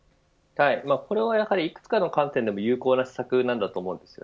これはいくつかの観点でも有効な施策なんだと思うんです。